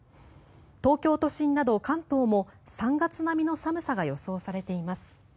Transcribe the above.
東京都心など関東も３月並みの寒さが予想されています。